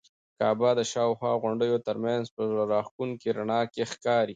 کعبه د شاوخوا غونډیو تر منځ په زړه راښکونکي رڼا کې ښکاري.